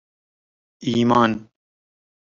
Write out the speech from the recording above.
ایمان